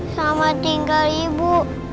selamat tinggal ibu